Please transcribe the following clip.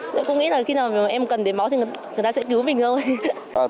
cũng nghĩ là khi nào em cần đến máu thì người ta sẽ cứu mình thôi